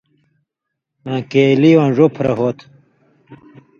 آں کېلی واں ڙوپھرہ (ہو تھہ)